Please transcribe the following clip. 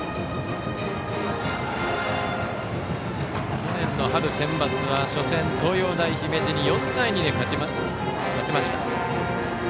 去年の春センバツは初戦、東洋大姫路に４対２で勝ちました。